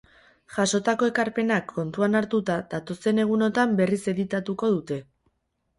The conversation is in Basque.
Jasotako ekarpenak kontuan hartuta, datozen egunotan berriz editatuko dute.